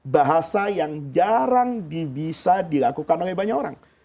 bahasa yang jarang bisa dilakukan oleh banyak orang